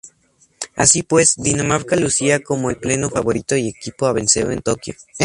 Así pues, Dinamarca lucía como el pleno favorito y equipo a vencer en Tokyo.